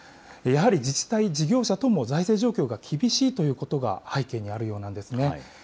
やはり自治体、事業者とも財政状況が厳しいということが背景にあるようなんですね。